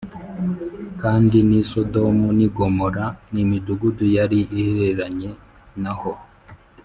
kandi n’i sodomu n’i gomora n’imidugudu yari ihereranye na ho